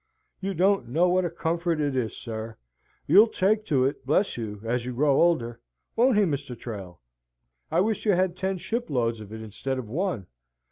"You don't know what a comfort it is, sir! you'll take to it, bless you, as you grow older. Won't he, Mr. Trail? I wish you had ten shiploads of it instead of one.